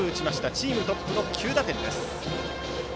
チームトップ９打点です。